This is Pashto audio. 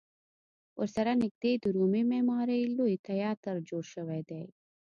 ورسره نږدې د رومي معمارۍ لوی تیاتر جوړ شوی دی.